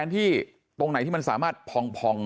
ที่ตรงไหนที่มันสามารถพอง